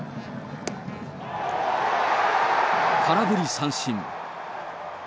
空振り三振。